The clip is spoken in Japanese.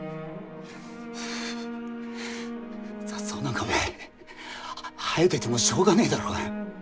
雑草なんかお前生えててもしょうがねえだろうが。